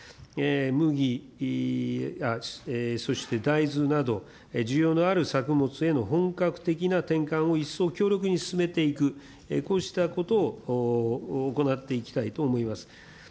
麦、そして大豆など、需要のある作物への本格的な転換を一層強力に進めていく、こういったことを行っていきたいと思います。